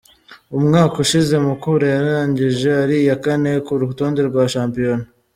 Umwaka ushize, Mukura yarangije ari iya kane ku rutonde rwa shampiyona.